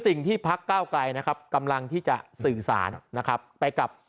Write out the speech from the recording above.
สิ่งที่พักเก้าไกลนะครับกำลังที่จะสื่อสารนะครับไปกับ